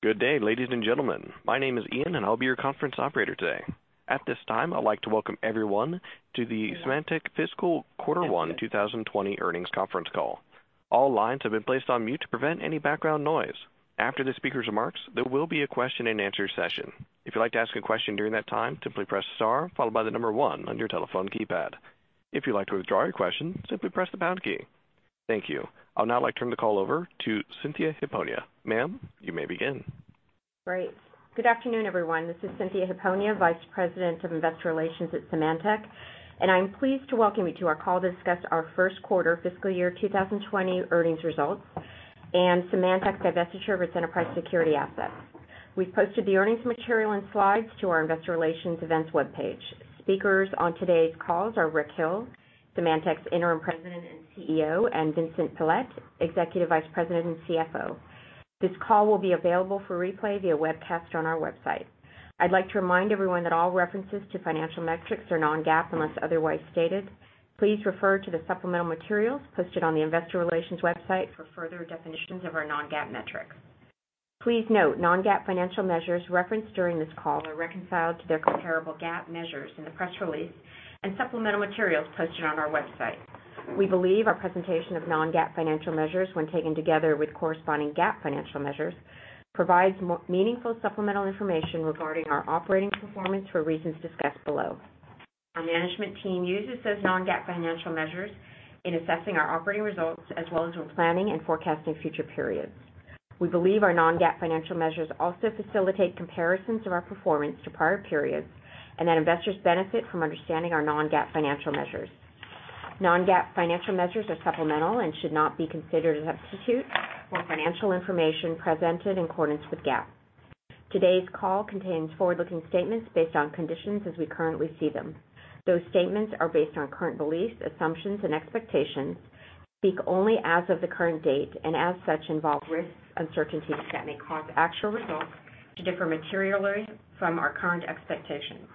Good day, ladies and gentlemen. My name is Ian, and I'll be your conference operator today. At this time, I'd like to welcome everyone to the Symantec Fiscal Quarter 1 2020 Earnings Conference Call. All lines have been placed on mute to prevent any background noise. After the speaker's remarks, there will be a question-and-answer session. If you'd like to ask a question during that time, simply press star followed by the number 1 on your telephone keypad. If you'd like to withdraw your question, simply press the pound key. Thank you. I'll now like to turn the call over to Cynthia Hiponia. Ma'am, you may begin. Great. Good afternoon, everyone. This is Cynthia Hiponia, Vice President of Investor Relations at Symantec. I'm pleased to welcome you to our call to discuss our first quarter fiscal year 2020 earnings results and Symantec's divestiture of its enterprise security assets. We've posted the earnings material and slides to our investor relations events webpage. Speakers on today's calls are Richard Hill, Symantec's Interim President and CEO. Vincent Pilette, Executive Vice President and CFO. This call will be available for replay via webcast on our website. I'd like to remind everyone that all references to financial metrics are non-GAAP unless otherwise stated. Please refer to the supplemental materials posted on the investor relations website for further definitions of our non-GAAP metrics. Please note, non-GAAP financial measures referenced during this call are reconciled to their comparable GAAP measures in the press release and supplemental materials posted on our website. We believe our presentation of non-GAAP financial measures, when taken together with corresponding GAAP financial measures, provides meaningful supplemental information regarding our operating performance for reasons discussed below. Our management team uses those non-GAAP financial measures in assessing our operating results, as well as when planning and forecasting future periods. We believe our non-GAAP financial measures also facilitate comparisons of our performance to prior periods, and that investors benefit from understanding our non-GAAP financial measures. Non-GAAP financial measures are supplemental and should not be considered a substitute for financial information presented in accordance with GAAP. Today's call contains forward-looking statements based on conditions as we currently see them. Those statements are based on current beliefs, assumptions, and expectations, speak only as of the current date, and as such, involve risks, uncertainties that may cause actual results to differ materially from our current expectations.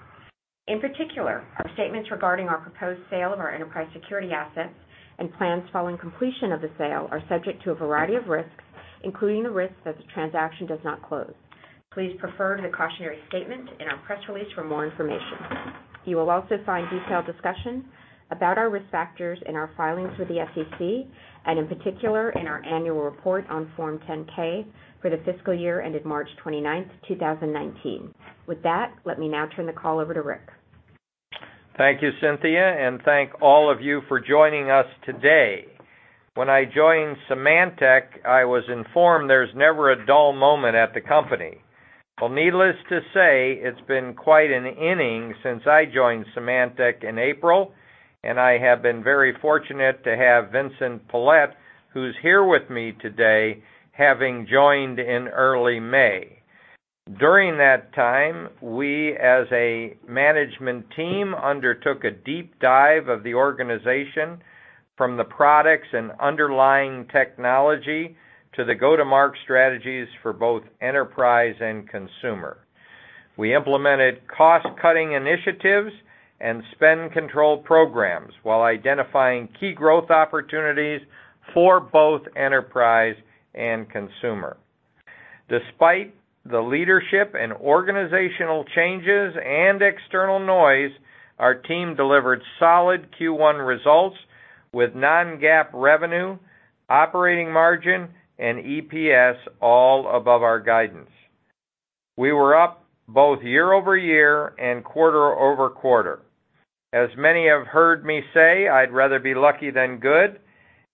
In particular, our statements regarding our proposed sale of our enterprise security assets and plans following completion of the sale are subject to a variety of risks, including the risk that the transaction does not close. Please refer to the cautionary statement in our press release for more information. You will also find detailed discussion about our risk factors in our filings with the SEC, and in particular, in our annual report on Form 10-K for the fiscal year ended March 29th, 2019. With that, let me now turn the call over to Rick. Thank you, Cynthia, and thank all of you for joining us today. When I joined Symantec, I was informed there's never a dull moment at the company. Needless to say, it's been quite an inning since I joined Symantec in April, and I have been very fortunate to have Vincent Pilette, who's here with me today, having joined in early May. During that time, we as a management team, undertook a deep dive of the organization from the products and underlying technology to the go-to-market strategies for both enterprise and consumer. We implemented cost-cutting initiatives and spend control programs while identifying key growth opportunities for both enterprise and consumer. Despite the leadership and organizational changes and external noise, our team delivered solid Q1 results with non-GAAP revenue, operating margin, and EPS all above our guidance. We were up both year-over-year and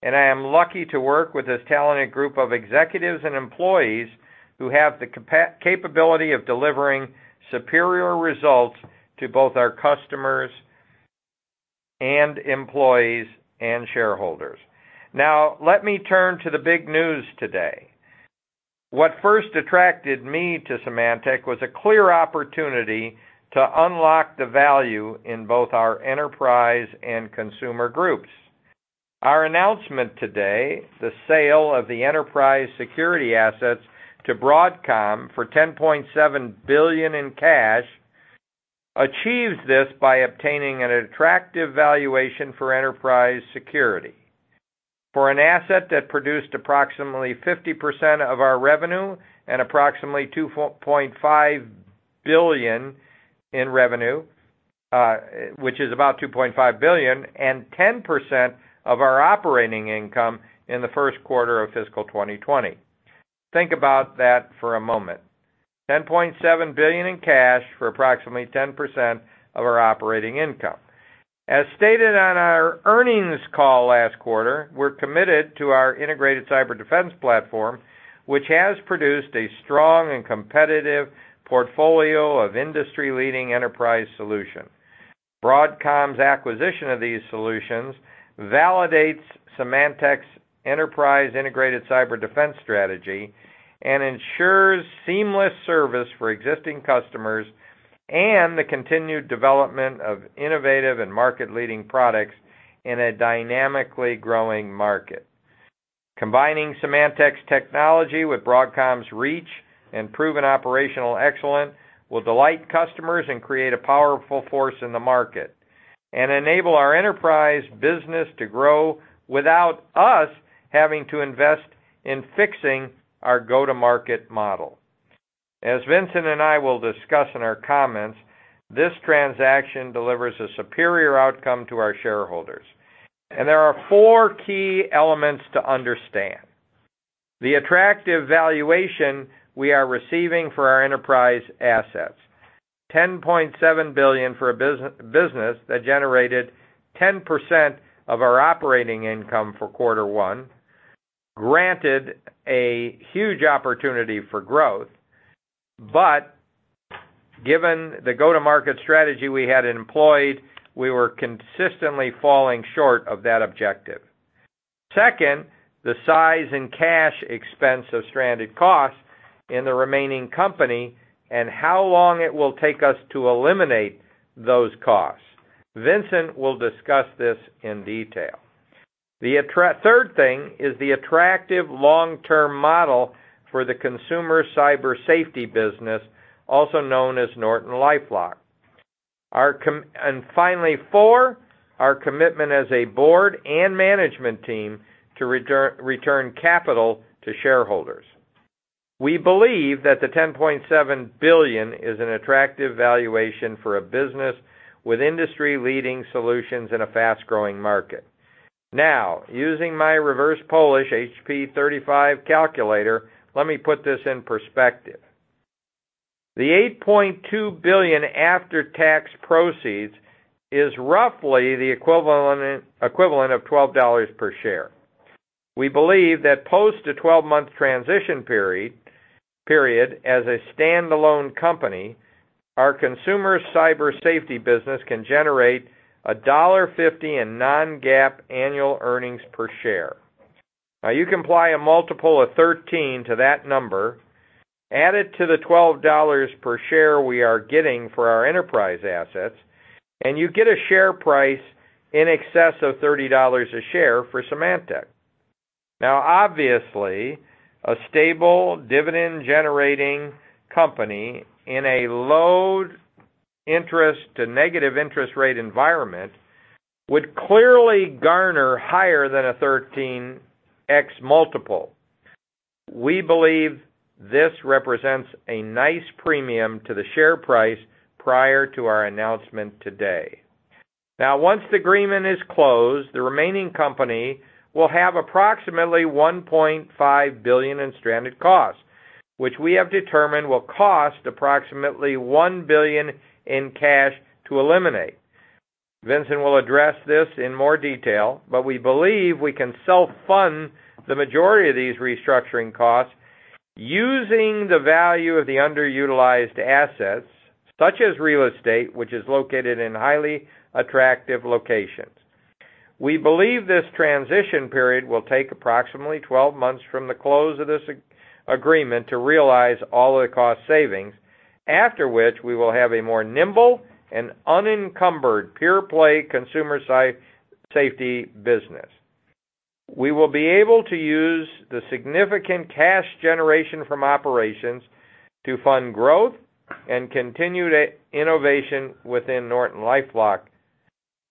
quarter-over-quarter. Let me turn to the big news today. What first attracted me to Symantec was a clear opportunity to unlock the value in both our enterprise and consumer groups. Our announcement today, the sale of the enterprise security assets to Broadcom for $10.7 billion in cash, achieves this by obtaining an attractive valuation for enterprise security. For an asset that produced approximately 50% of our revenue and approximately $2.5 billion in revenue, which is about $2.5 billion, and 10% of our operating income in the first quarter of fiscal 2020. Think about that for a moment. $10.7 billion in cash for approximately 10% of our operating income. As stated on our earnings call last quarter, we're committed to our Integrated Cyber Defense Platform, which has produced a strong and competitive portfolio of industry-leading enterprise solutions. Broadcom's acquisition of these solutions validates Symantec's enterprise integrated cyber defense strategy and ensures seamless service for existing customers and the continued development of innovative and market-leading products in a dynamically growing market. Combining Symantec's technology with Broadcom's reach and proven operational excellence will delight customers and create a powerful force in the market. Enable our enterprise business to grow without us having to invest in fixing our go-to-market model. As Vincent and I will discuss in our comments, this transaction delivers a superior outcome to our shareholders, and there are four key elements to understand. The attractive valuation we are receiving for our enterprise assets, $10.7 billion for a business that generated 10% of our operating income for quarter 1, granted a huge opportunity for growth, but given the go-to-market strategy we had employed, we were consistently falling short of that objective. Second, the size and cash expense of stranded costs in the remaining company and how long it will take us to eliminate those costs. Vincent will discuss this in detail. The third thing is the attractive long-term model for the consumer cyber safety business, also known as NortonLifeLock. Finally, 4, our commitment as a board and management team to return capital to shareholders. We believe that the $10.7 billion is an attractive valuation for a business with industry-leading solutions in a fast-growing market. Now, using my reverse Polish HP-35 calculator, let me put this in perspective. The $8.2 billion after-tax proceeds is roughly the equivalent of $12 per share. We believe that post the 12-month transition period as a standalone company, our consumer cyber safety business can generate $1.50 in non-GAAP annual earnings per share. You can apply a multiple of 13 to that number, add it to the $12 per share we are getting for our enterprise assets, and you get a share price in excess of $30 a share for Symantec. Obviously, a stable dividend-generating company in a low interest to negative interest rate environment would clearly garner higher than a 13x multiple. We believe this represents a nice premium to the share price prior to our announcement today. Once the agreement is closed, the remaining company will have approximately $1.5 billion in stranded costs, which we have determined will cost approximately $1 billion in cash to eliminate. Vincent will address this in more detail, but we believe we can self-fund the majority of these restructuring costs using the value of the underutilized assets, such as real estate, which is located in highly attractive locations. We believe this transition period will take approximately 12 months from the close of this agreement to realize all of the cost savings, after which we will have a more nimble and unencumbered pure-play consumer safety business. We will be able to use the significant cash generation from operations to fund growth and continue the innovation within NortonLifeLock.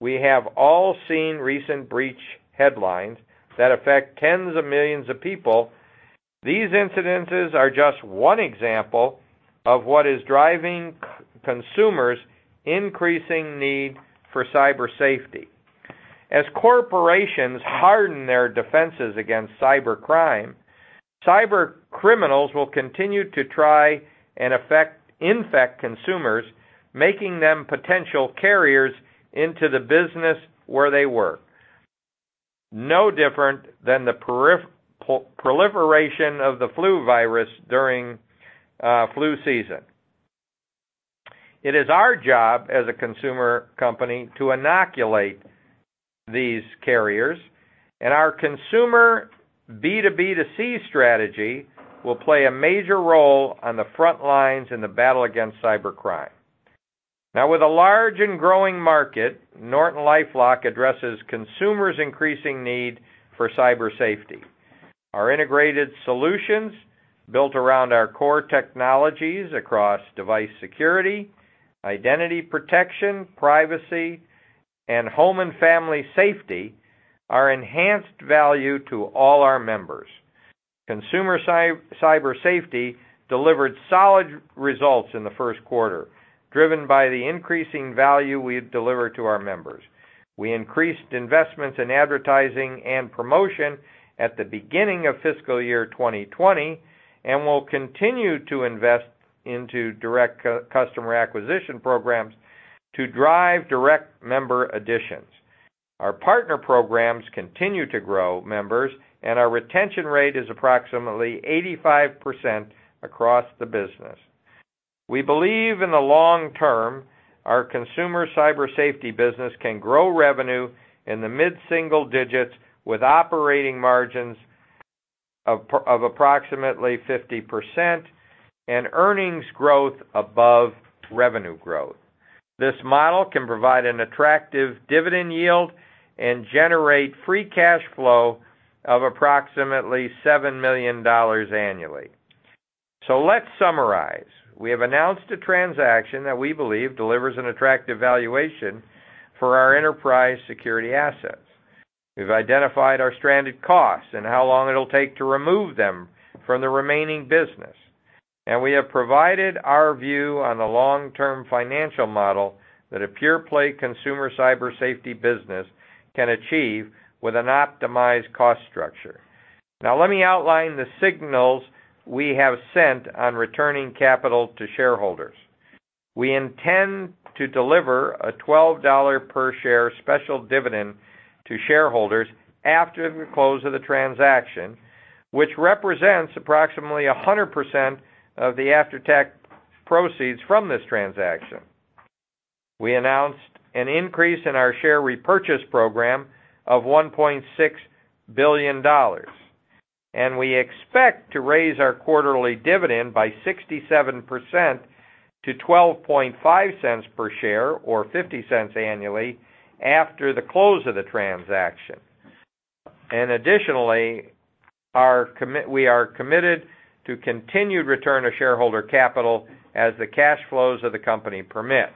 We have all seen recent breach headlines that affect tens of millions of people. These incidents are just one example of what is driving consumers' increasing need for cyber safety. As corporations harden their defenses against cybercrime, cybercriminals will continue to try and infect consumers, making them potential carriers into the business where they work. No different than the proliferation of the flu virus during flu season. It is our job as a consumer company to inoculate these carriers, and our consumer B2B2C strategy will play a major role on the front lines in the battle against cybercrime. Now, with a large and growing market, NortonLifeLock addresses consumers' increasing need for cyber safety. Our integrated solutions, built around our core technologies across device security, identity protection, privacy, and home and family safety, are enhanced value to all our members. Consumer cyber safety delivered solid results in the first quarter, driven by the increasing value we deliver to our members. We increased investments in advertising and promotion at the beginning of fiscal year 2020 and will continue to invest into direct customer acquisition programs to drive direct member additions. Our partner programs continue to grow members, and our retention rate is approximately 85% across the business. We believe in the long term, our consumer cyber safety business can grow revenue in the mid-single digits with operating margins of approximately 50% and earnings growth above revenue growth. This model can provide an attractive dividend yield and generate free cash flow of approximately $7 million annually. Let's summarize. We have announced a transaction that we believe delivers an attractive valuation for our enterprise security assets. We've identified our stranded costs and how long it'll take to remove them from the remaining business, and we have provided our view on the long-term financial model that a pure-play consumer cyber safety business can achieve with an optimized cost structure. Now let me outline the signals we have sent on returning capital to shareholders. We intend to deliver a $12 per share special dividend to shareholders after the close of the transaction, which represents approximately 100% of the after-tax proceeds from this transaction. We announced an increase in our share repurchase program of $1.6 billion, and we expect to raise our quarterly dividend by 67% to $0.125 per share or $0.50 annually after the close of the transaction. Additionally, we are committed to continued return of shareholder capital as the cash flows of the company permit.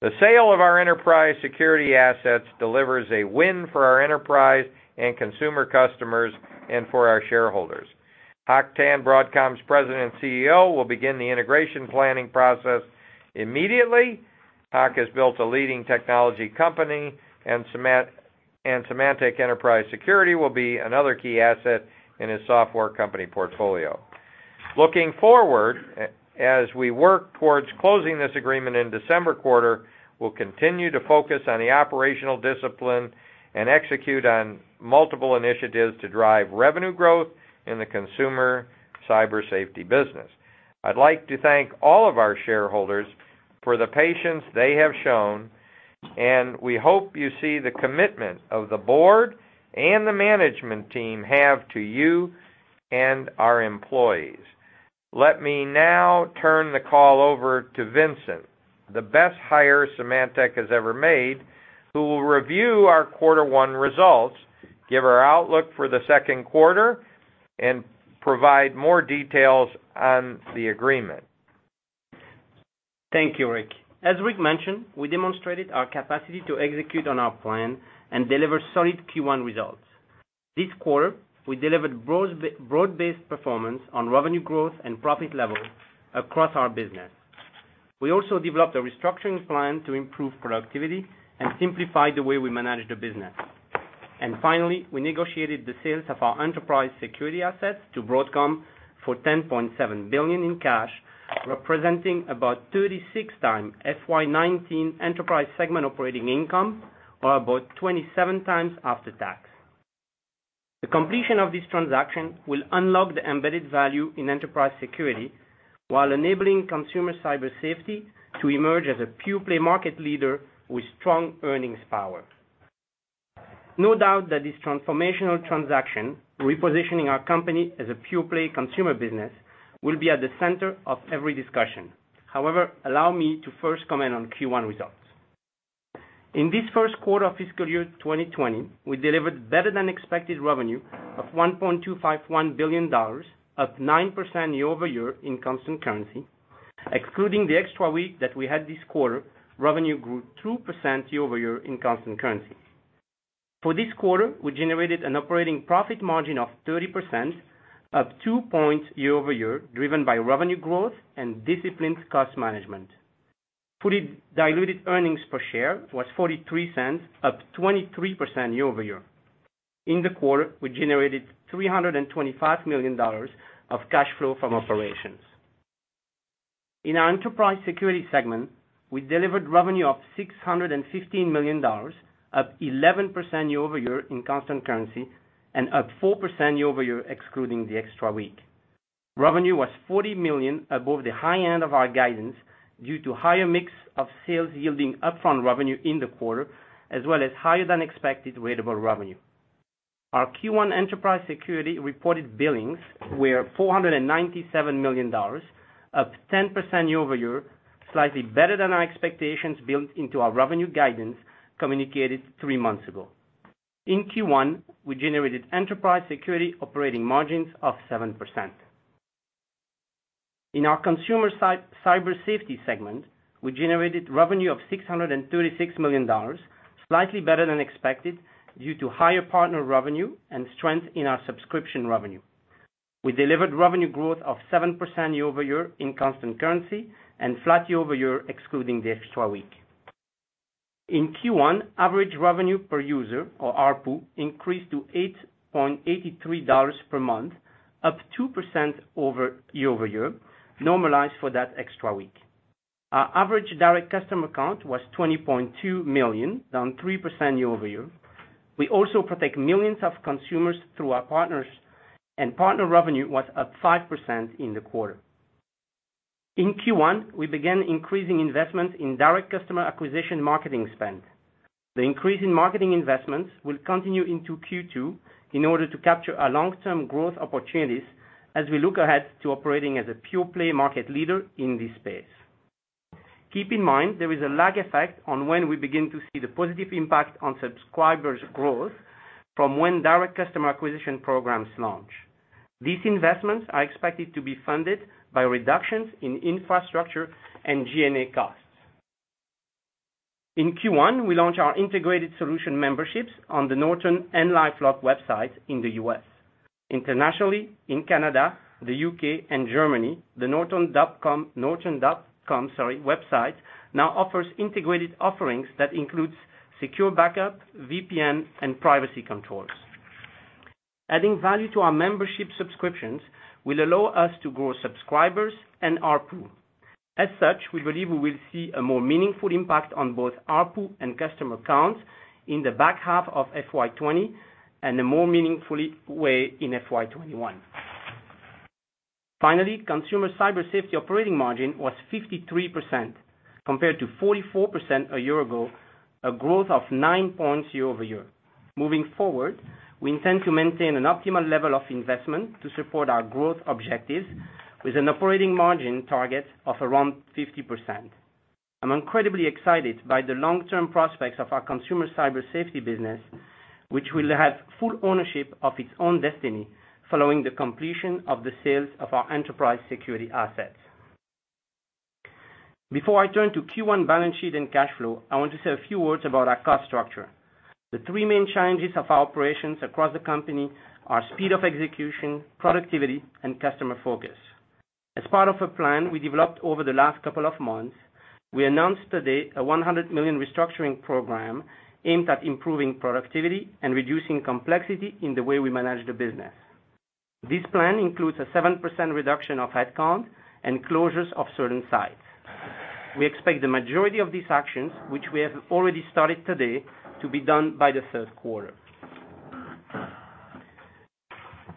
The sale of our enterprise security assets delivers a win for our enterprise and consumer customers and for our shareholders. Hock Tan, Broadcom's President and CEO, will begin the integration planning process immediately. Hock has built a leading technology company, and Symantec Enterprise Security will be another key asset in his software company portfolio. Looking forward, as we work towards closing this agreement in December quarter, we'll continue to focus on the operational discipline and execute on multiple initiatives to drive revenue growth in the consumer cyber safety business. I'd like to thank all of our shareholders for the patience they have shown, and we hope you see the commitment of the board and the management team have to you and our employees. Let me now turn the call over to Vincent, the best hire Symantec has ever made, who will review our quarter one results, give our outlook for the second quarter, and provide more details on the agreement. Thank you, Rick. As Rick mentioned, we demonstrated our capacity to execute on our plan and deliver solid Q1 results. This quarter, we delivered broad-based performance on revenue growth and profit levels across our business. We also developed a restructuring plan to improve productivity and simplify the way we manage the business. Finally, we negotiated the sales of our enterprise security assets to Broadcom for $10.7 billion in cash, representing about 36 times FY 2019 enterprise segment operating income, or about 27 times after tax. The completion of this transaction will unlock the embedded value in enterprise security while enabling consumer cyber safety to emerge as a pure-play market leader with strong earnings power. No doubt that this transformational transaction, repositioning our company as a pure-play consumer business, will be at the center of every discussion. However, allow me to first comment on Q1 results. In this first quarter of fiscal year 2020, we delivered better-than-expected revenue of $1.251 billion, up 9% year-over-year in constant currency. Excluding the extra week that we had this quarter, revenue grew 2% year-over-year in constant currency. For this quarter, we generated an operating profit margin of 30%, up two points year-over-year, driven by revenue growth and disciplined cost management. Fully diluted earnings per share was $0.43, up 23% year-over-year. In the quarter, we generated $325 million of cash flow from operations. In our enterprise security segment, we delivered revenue of $615 million, up 11% year-over-year in constant currency, and up 4% year-over-year excluding the extra week. Revenue was $40 million above the high end of our guidance due to higher mix of sales yielding upfront revenue in the quarter, as well as higher than expected billable revenue. Our Q1 Enterprise Security reported billings were $497 million, up 10% year-over-year, slightly better than our expectations built into our revenue guidance communicated three months ago. In Q1, we generated Enterprise Security operating margins of 7%. In our Consumer Cyber Safety segment, we generated revenue of $636 million, slightly better than expected due to higher partner revenue and strength in our subscription revenue. We delivered revenue growth of 7% year-over-year in constant currency and flat year-over-year excluding the extra week. In Q1, average revenue per user, or ARPU, increased to $8.83 per month, up 2% year-over-year, normalized for that extra week. Our average direct customer count was 20.2 million, down 3% year-over-year. We also protect millions of consumers through our partners. Partner revenue was up 5% in the quarter. In Q1, we began increasing investment in direct customer acquisition marketing spend. The increase in marketing investments will continue into Q2 in order to capture our long-term growth opportunities as we look ahead to operating as a pure-play market leader in this space. Keep in mind, there is a lag effect on when we begin to see the positive impact on subscribers growth from when direct customer acquisition programs launch. These investments are expected to be funded by reductions in infrastructure and G&A costs. In Q1, we launched our integrated solution memberships on the Norton and LifeLock websites in the U.S. Internationally, in Canada, the U.K., and Germany, the norton.com website now offers integrated offerings that includes secure backup, VPN, and privacy controls. Adding value to our membership subscriptions will allow us to grow subscribers and ARPU. We believe we will see a more meaningful impact on both ARPU and customer counts in the back half of FY 2020, and a more meaningful way in FY 2021. Consumer cyber safety operating margin was 53% compared to 44% a year ago, a growth of nine points year-over-year. Moving forward, we intend to maintain an optimal level of investment to support our growth objectives with an operating margin target of around 50%. I'm incredibly excited by the long-term prospects of our consumer cyber safety business, which will have full ownership of its own destiny following the completion of the sales of our enterprise security assets. Before I turn to Q1 balance sheet and cash flow, I want to say a few words about our cost structure. The three main challenges of our operations across the company are speed of execution, productivity, and customer focus. As part of a plan we developed over the last couple of months, we announced today a $100 million restructuring program aimed at improving productivity and reducing complexity in the way we manage the business. This plan includes a 7% reduction of headcount and closures of certain sites. We expect the majority of these actions, which we have already started today, to be done by the third quarter.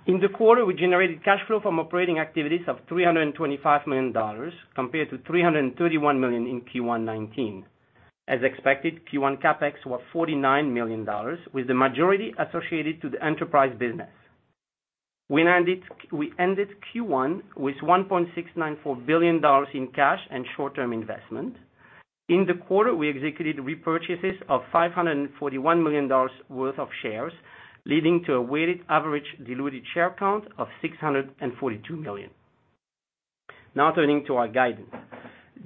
In the quarter, we generated cash flow from operating activities of $325 million compared to $331 million in Q1 '19. As expected, Q1 CapEx was $49 million, with the majority associated to the enterprise business. We ended Q1 with $1.694 billion in cash and short-term investment. In the quarter, we executed repurchases of $541 million worth of shares, leading to a weighted average diluted share count of 642 million. Turning to our guidance.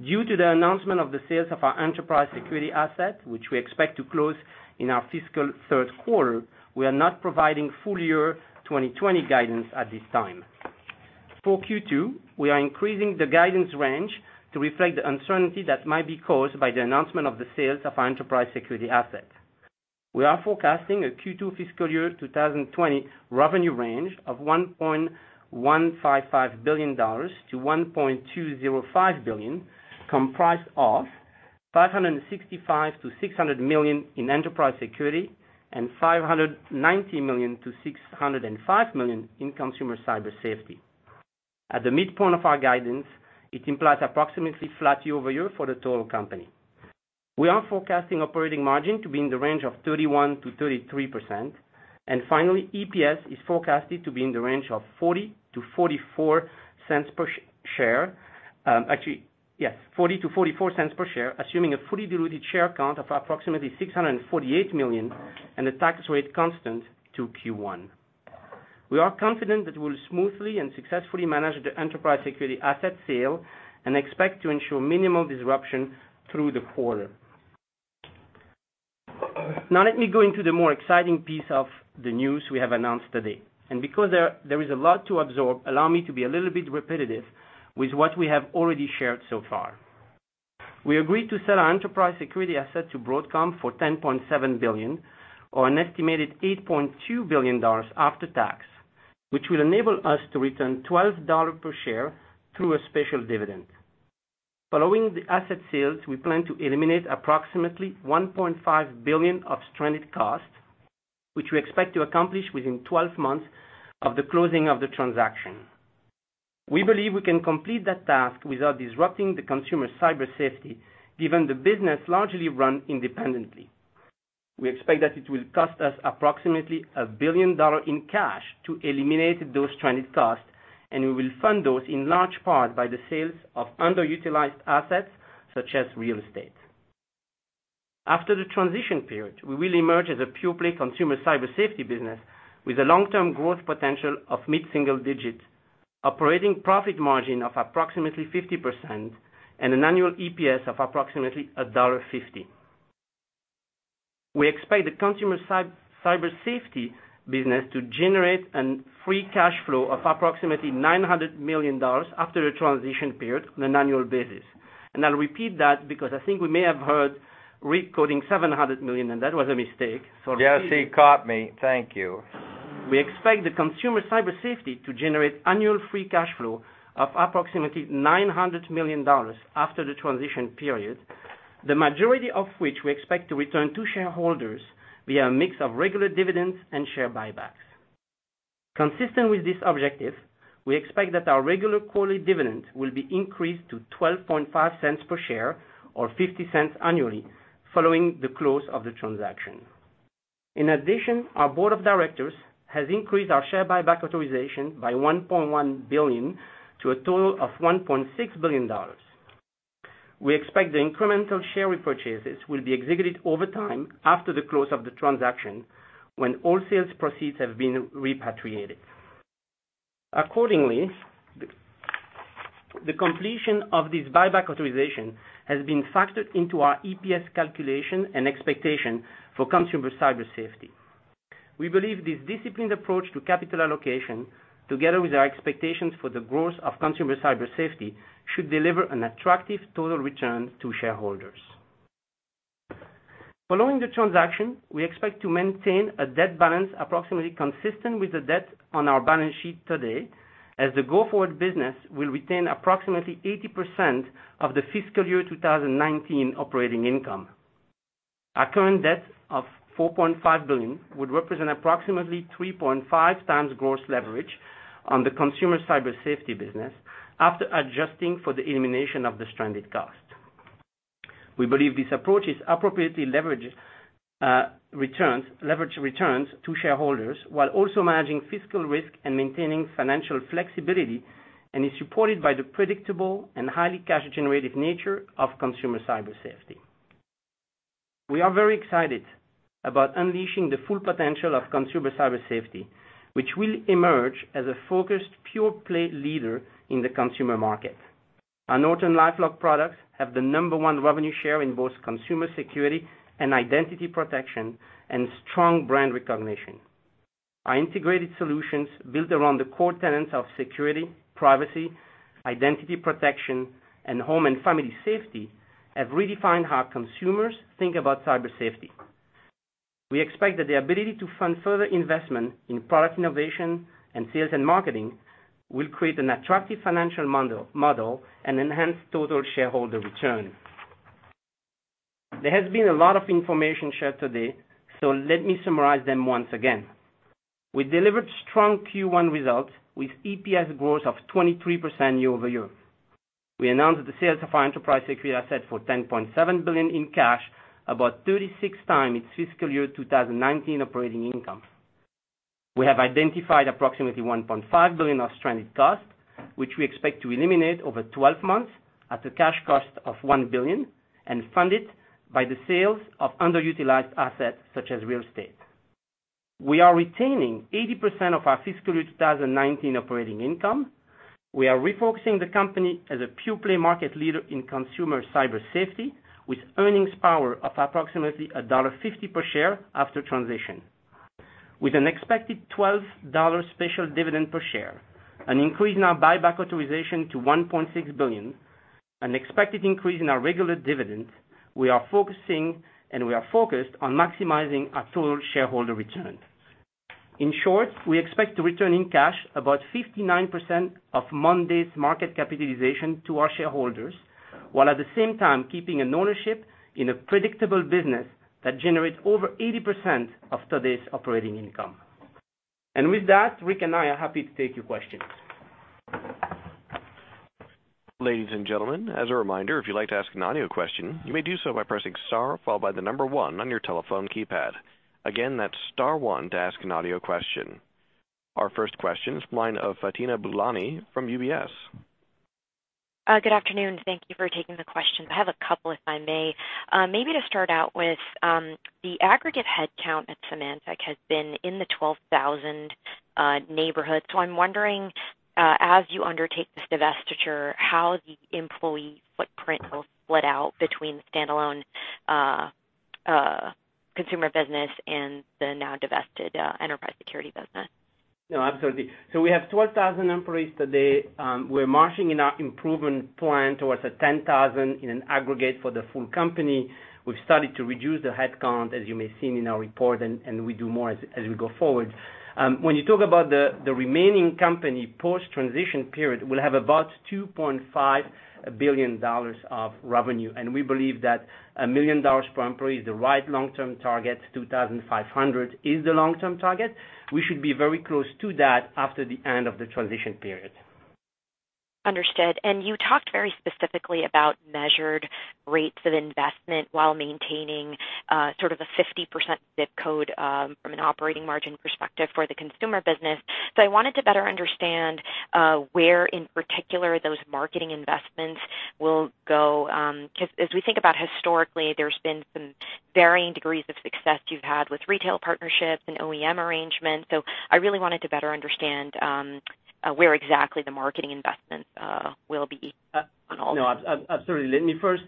Due to the announcement of the sales of our enterprise security asset, which we expect to close in our fiscal third quarter, we are not providing full-year 2020 guidance at this time. For Q2, we are increasing the guidance range to reflect the uncertainty that might be caused by the announcement of the sales of our enterprise security asset. We are forecasting a Q2 fiscal year 2020 revenue range of $1.155 billion-$1.205 billion, comprised of $565 million-$600 million in enterprise security and $590 million-$605 million in consumer cyber safety. At the midpoint of our guidance, it implies approximately flat year-over-year for the total company. We are forecasting operating margin to be in the range of 31%-33%. Finally, EPS is forecasted to be in the range of $0.40-$0.44 per share, assuming a fully diluted share count of approximately 648 million and the tax rate constant to Q1. We are confident that we'll smoothly and successfully manage the enterprise security asset sale and expect to ensure minimal disruption through the quarter. Now let me go into the more exciting piece of the news we have announced today. Because there is a lot to absorb, allow me to be a little bit repetitive with what we have already shared so far. We agreed to sell our enterprise security asset to Broadcom for $10.7 billion, or an estimated $8.2 billion after tax, which will enable us to return $12 per share through a special dividend. Following the asset sales, we plan to eliminate approximately $1.5 billion of stranded costs, which we expect to accomplish within 12 months of the closing of the transaction. We believe we can complete that task without disrupting the Consumer Cyber Safety given the business largely run independently. We expect that it will cost us approximately $1 billion in cash to eliminate those stranded costs, and we will fund those in large part by the sales of underutilized assets such as real estate. After the transition period, we will emerge as a purely Consumer Cyber Safety business with a long-term growth potential of mid-single digits, operating profit margin of approximately 50%, and an annual EPS of approximately $1.50. We expect the Consumer Cyber Safety business to generate a free cash flow of approximately $900 million after the transition period on an annual basis. I'll repeat that because I think we may have heard Rick quoting $700 million, and that was a mistake. Yes, he caught me. Thank you. We expect the consumer cyber safety to generate annual free cash flow of approximately $900 million after the transition period, the majority of which we expect to return to shareholders via a mix of regular dividends and share buybacks. Consistent with this objective, we expect that our regular quarterly dividend will be increased to $0.125 per share or $0.50 annually following the close of the transaction. In addition, our board of directors has increased our share buyback authorization by $1.1 billion to a total of $1.6 billion. We expect the incremental share repurchases will be executed over time after the close of the transaction, when all sales proceeds have been repatriated. Accordingly, the completion of this buyback authorization has been factored into our EPS calculation and expectation for consumer cyber safety. We believe this disciplined approach to capital allocation, together with our expectations for the growth of consumer cyber safety, should deliver an attractive total return to shareholders. Following the transaction, we expect to maintain a debt balance approximately consistent with the debt on our balance sheet today, as the go-forward business will retain approximately 80% of the fiscal year 2019 operating income. Our current debt of $4.5 billion would represent approximately 3.5 times gross leverage on the consumer cyber safety business, after adjusting for the elimination of the stranded cost. We believe this approach appropriately leverages returns to shareholders, while also managing fiscal risk and maintaining financial flexibility, and is supported by the predictable and highly cash-generative nature of consumer cyber safety. We are very excited about unleashing the full potential of consumer cyber safety, which will emerge as a focused pure-play leader in the consumer market. Our NortonLifeLock products have the number one revenue share in both consumer security and identity protection, and strong brand recognition. Our integrated solutions, built around the core tenets of security, privacy, identity protection, and home and family safety, have redefined how consumers think about cyber safety. We expect that the ability to fund further investment in product innovation and sales and marketing will create an attractive financial model and enhance total shareholder return. There has been a lot of information shared today, so let me summarize them once again. We delivered strong Q1 results with EPS growth of 23% year-over-year. We announced the sales of our Enterprise Security asset for $10.7 billion in cash, about 36 times its fiscal year 2019 operating income. We have identified approximately $1.5 billion of stranded cost, which we expect to eliminate over 12 months at a cash cost of $1 billion, and fund it by the sales of underutilized assets such as real estate. We are retaining 80% of our fiscal year 2019 operating income. We are refocusing the company as a pure-play market leader in consumer cyber safety, with earnings power of approximately $1.50 per share after transition. With an expected $12 special dividend per share, an increase in our buyback authorization to $1.6 billion, an expected increase in our regular dividend, we are focused on maximizing our total shareholder return. In short, we expect to return in cash about 59% of Monday's market capitalization to our shareholders, while at the same time keeping an ownership in a predictable business that generates over 80% of today's operating income. With that, Rick and I are happy to take your questions. Ladies and gentlemen, as a reminder, if you'd like to ask an audio question, you may do so by pressing star, followed by the number 1 on your telephone keypad. Again, that's star 1 to ask an audio question. Our first question is from the line of Fatima Boolani from UBS. Good afternoon. Thank you for taking the question. I have a couple, if I may. Maybe to start out with, the aggregate headcount at Symantec has been in the 12,000 neighborhood. I'm wondering, as you undertake this divestiture, how the employee footprint will split out between the standalone consumer business and the now divested enterprise security business. No, absolutely. We have 12,000 employees today. We're marching in our improvement plan towards a 10,000 in an aggregate for the full company. We've started to reduce the headcount, as you may have seen in our report, and we'll do more as we go forward. When you talk about the remaining company post-transition period, we'll have about $2.5 billion of revenue. We believe that $1 million per employee is the right long-term target. 2,500 is the long-term target. We should be very close to that after the end of the transition period. Understood. You talked very specifically about measured rates of investment while maintaining sort of a 50% ZIP code from an operating margin perspective for the consumer business. I wanted to better understand where, in particular, those marketing investments will go. As we think about historically, there's been some varying degrees of success you've had with retail partnerships and OEM arrangements. I really wanted to better understand where exactly the marketing investments will be on all of this. No, absolutely. Let me first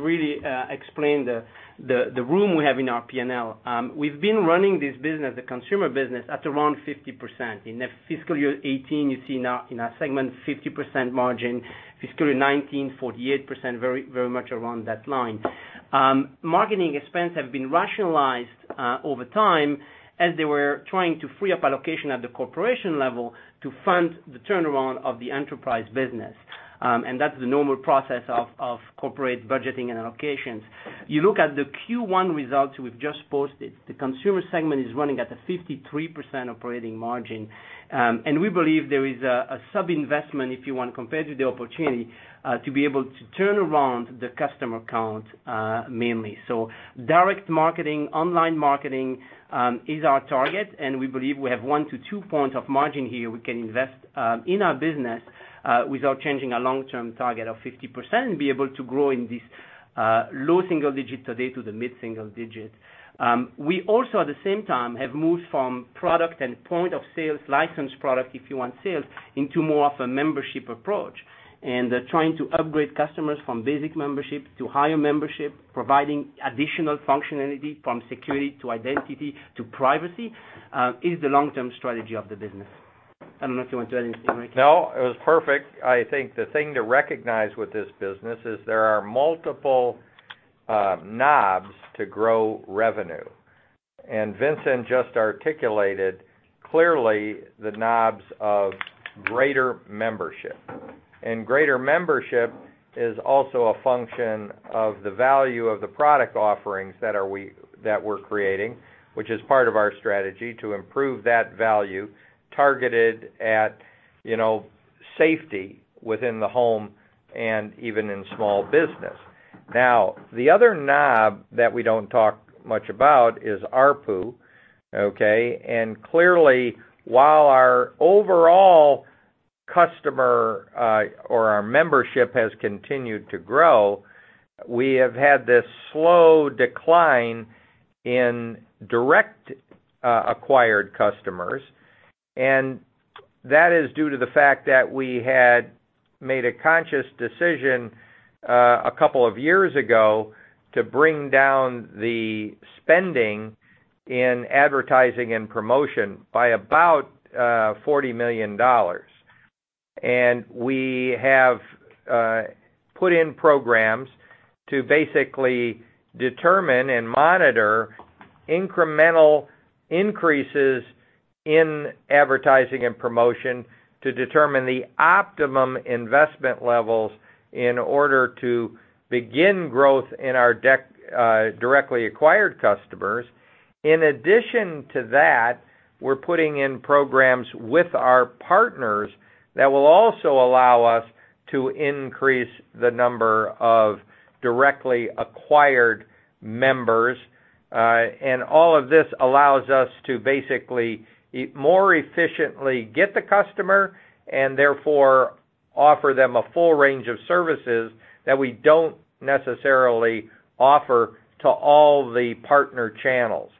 really explain the room we have in our P&L. We've been running this business, the consumer business, at around 50%. In fiscal year 2018, you see in our segment 50% margin. Fiscal 2019, 48%, very much around that line. Marketing expense has been rationalized over time as they were trying to free up allocation at the corporation level to fund the turnaround of the enterprise business. That's the normal process of corporate budgeting and allocations. You look at the Q1 results we've just posted, the consumer segment is running at a 53% operating margin. We believe there is a sub-investment, if you want, compared to the opportunity, to be able to turn around the customer count, mainly. Direct marketing, online marketing is our target, and we believe we have one to two points of margin here we can invest in our business without changing our long-term target of 50%, and be able to grow in this low single digits today to the mid-single digits. We also, at the same time, have moved from product and point-of-sales licensed product, if you want sales, into more of a membership approach. Trying to upgrade customers from basic membership to higher membership, providing additional functionality from security to identity to privacy, is the long-term strategy of the business. I don't know if you want to add anything, Rick. No, it was perfect. I think the thing to recognize with this business is there are multiple knobs to grow revenue, Vincent just articulated clearly the knobs of greater membership. Greater membership is also a function of the value of the product offerings that we're creating, which is part of our strategy to improve that value targeted at safety within the home and even in small business. Now, the other knob that we don't talk much about is ARPU. Okay? Clearly, while our overall customer or our membership has continued to grow, we have had this slow decline in direct acquired customers. That is due to the fact that we had made a conscious decision a couple of years ago to bring down the spending in advertising and promotion by about $40 million. We have put in programs to basically determine and monitor incremental increases in advertising and promotion to determine the optimum investment levels in order to begin growth in our directly acquired customers. In addition to that, we're putting in programs with our partners that will also allow us to increase the number of directly acquired members. All of this allows us to basically more efficiently get the customer, and therefore offer them a full range of services that we don't necessarily offer to all the partner channels.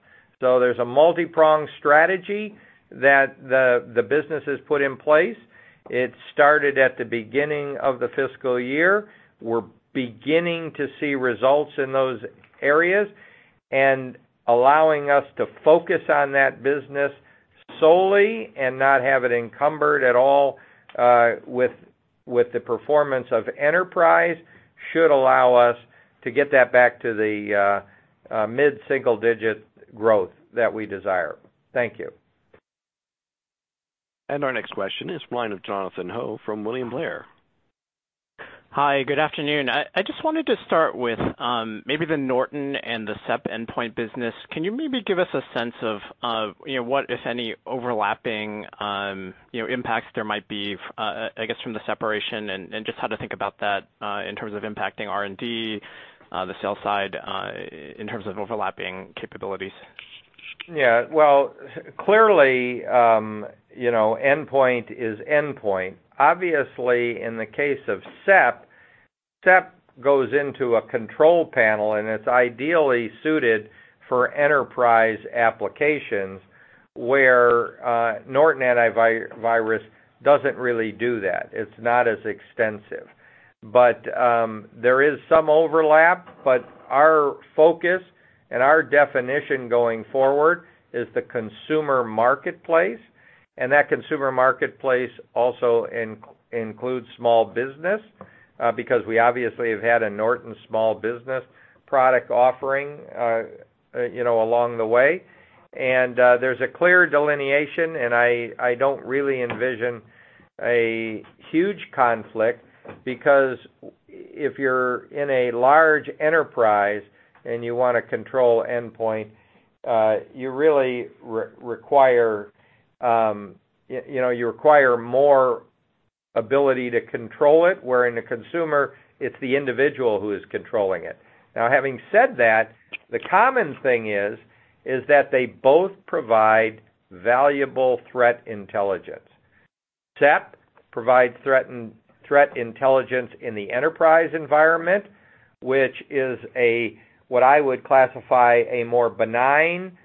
There's a multi-pronged strategy that the business has put in place. It started at the beginning of the fiscal year. We're beginning to see results in those areas, and allowing us to focus on that business solely and not have it encumbered at all with the performance of Enterprise, should allow us to get that back to the mid-single-digit growth that we desire. Thank you. Our next question is the line of Jonathan Ho from William Blair. Hi, good afternoon. I just wanted to start with maybe the Norton and the SEP Endpoint business. Can you maybe give us a sense of what, if any, overlapping impacts there might be, I guess, from the separation and just how to think about that in terms of impacting R&D, the sales side in terms of overlapping capabilities? Yeah. Well, clearly, endpoint is endpoint. Obviously, in the case of SEP goes into a control panel, and it's ideally suited for enterprise applications where Norton AntiVirus doesn't really do that. It's not as extensive. There is some overlap, but our focus and our definition going forward is the consumer marketplace, and that consumer marketplace also includes small business because we obviously have had a Norton small business product offering along the way. There's a clear delineation, and I don't really envision a huge conflict because if you're in a large enterprise and you want to control endpoint, you really require more ability to control it, where in the consumer, it's the individual who is controlling it. Now, having said that, the common thing is that they both provide valuable threat intelligence. SEP provides threat intelligence in the enterprise environment, which is a, what I would classify, a more benign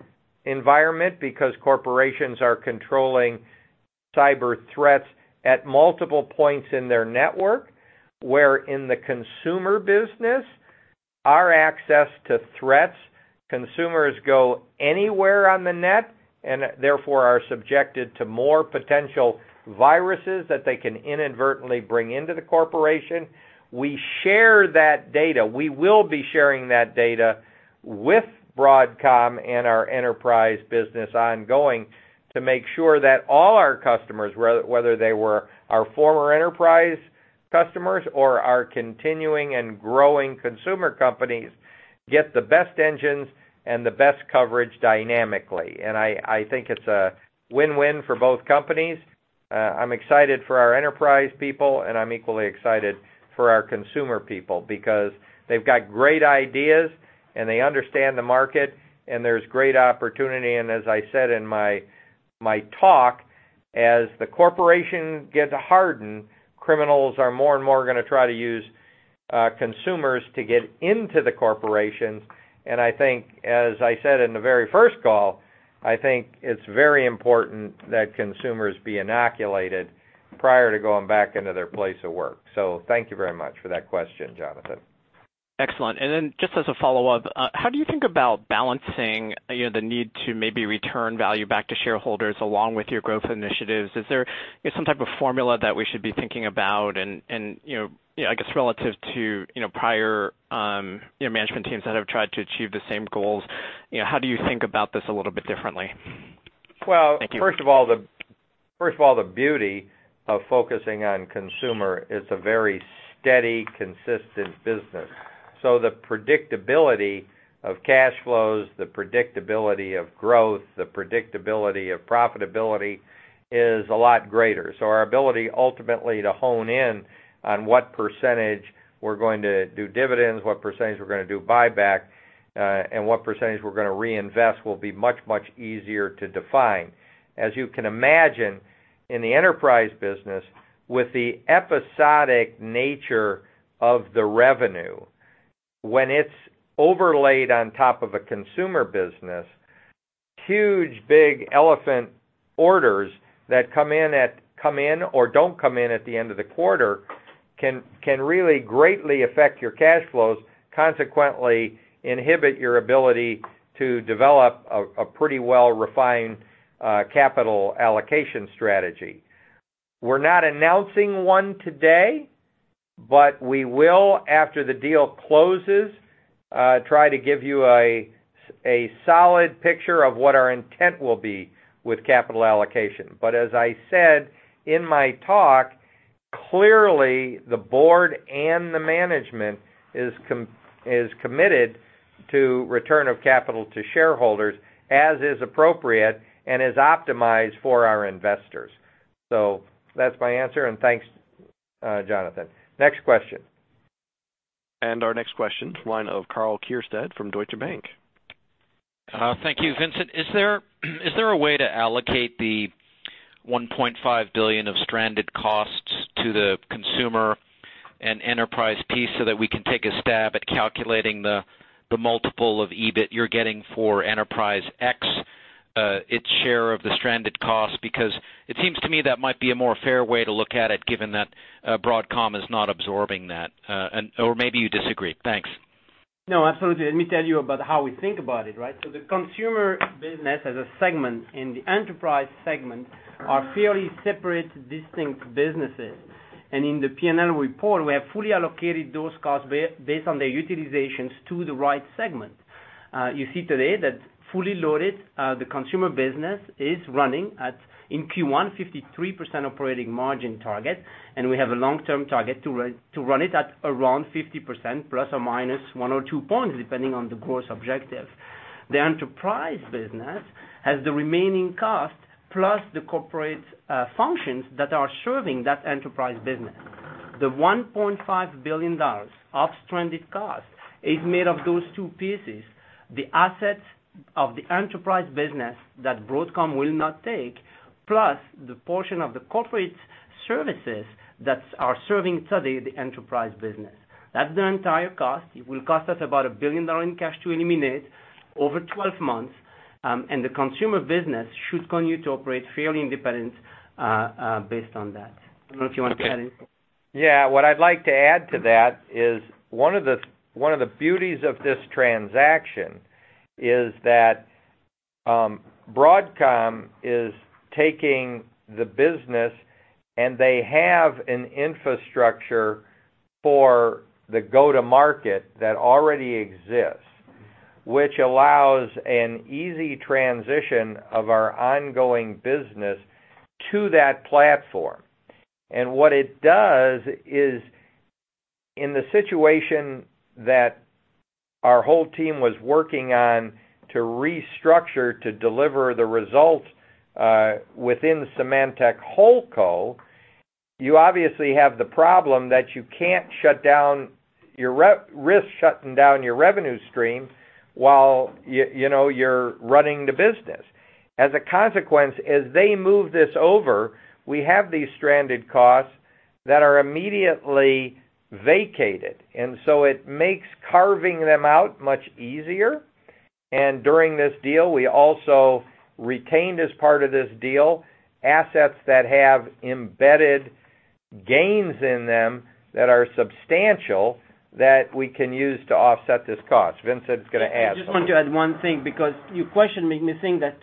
environment because corporations are controlling cyber threats at multiple points in their network. In the consumer business, our access to threats, consumers go anywhere on the net and therefore are subjected to more potential viruses that they can inadvertently bring into the corporation. We share that data. We will be sharing that data with Broadcom and our enterprise business ongoing to make sure that all our customers, whether they were our former enterprise customers or our continuing and growing consumer companies, get the best engines and the best coverage dynamically. I think it's a win-win for both companies. I'm excited for our enterprise people, and I'm equally excited for our consumer people because they've got great ideas, and they understand the market, and there's great opportunity. As I said in my talk, as the corporation gets hardened, criminals are more and more going to try to use consumers to get into the corporations. I think as I said in the very first call, I think it's very important that consumers be inoculated prior to going back into their place of work. Thank you very much for that question, Jonathan. Excellent. Then just as a follow-up, how do you think about balancing the need to maybe return value back to shareholders along with your growth initiatives? Is there some type of formula that we should be thinking about? I guess, relative to prior management teams that have tried to achieve the same goals, how do you think about this a little bit differently? Well- Thank you. First of all, the beauty of focusing on consumer is a very steady, consistent business. The predictability of cash flows, the predictability of growth, the predictability of profitability is a lot greater. Our ability ultimately to hone in on what percentage we're going to do dividends, what percentage we're going to do buyback, and what percentage we're going to reinvest, will be much, much easier to define. As you can imagine, in the enterprise business, with the episodic nature of the revenue, when it's overlaid on top of a consumer business, huge, big elephant orders that come in or don't come in at the end of the quarter can really greatly affect your cash flows, consequently inhibit your ability to develop a pretty well-refined capital allocation strategy. We're not announcing one today. We will, after the deal closes, try to give you a solid picture of what our intent will be with capital allocation. As I said in my talk, clearly the board and the management is committed to return of capital to shareholders as is appropriate and is optimized for our investors. That's my answer and thanks, Jonathan. Next question. Our next question to the line of Karl Keirstead from Deutsche Bank. Thank you, Vincent. Is there a way to allocate the $1.5 billion of stranded costs to the consumer and enterprise piece so that we can take a stab at calculating the multiple of EBIT you're getting for Enterprise X, its share of the stranded cost? It seems to me that might be a more fair way to look at it, given that Broadcom is not absorbing that, or maybe you disagree. Thanks. No, absolutely. Let me tell you about how we think about it, right? The Consumer Business as a segment and the Enterprise Segment are fairly separate, distinct businesses. In the P&L report, we have fully allocated those costs based on their utilizations to the right segment. You see today that fully loaded, the Consumer Business is running at, in Q1, 53% operating margin target, and we have a long-term target to run it at around 50%, plus or minus one or two points, depending on the growth objective. The Enterprise Business has the remaining cost plus the corporate functions that are serving that Enterprise Business. The $1.5 billion of stranded cost is made of those two pieces, the assets of the Enterprise Business that Broadcom will not take, plus the portion of the corporate services that are serving today the Enterprise Business. That's the entire cost. It will cost us about $1 billion in cash to eliminate over 12 months, and the consumer business should continue to operate fairly independent, based on that. I don't know if you want to add anything. Yeah. What I'd like to add to that is one of the beauties of this transaction is that Broadcom is taking the business and they have an infrastructure for the go-to-market that already exists, which allows an easy transition of our ongoing business to that platform. What it does is, in the situation that our whole team was working on to restructure to deliver the results, within Symantec Holdco, you obviously have the problem that you risk shutting down your revenue stream while you're running the business. As a consequence, as they move this over, we have these stranded costs that are immediately vacated, and so it makes carving them out much easier. During this deal, we also retained, as part of this deal, assets that have embedded gains in them that are substantial, that we can use to offset this cost. Vincent's going to add something. I just want to add one thing, because your question made me think that